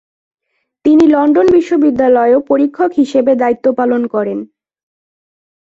তিনি লন্ডন বিশ্ববিদ্যালয়েও পরীক্ষক হিসেবে দায়িত্ব পালন করেন।